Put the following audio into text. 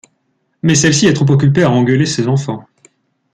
Mais celle-ci est trop occupée à engueuler ses enfants.